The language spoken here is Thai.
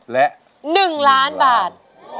และ๑ล้านบาท